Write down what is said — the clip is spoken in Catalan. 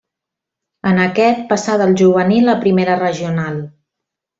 En aquest passà del juvenil a Primera Regional.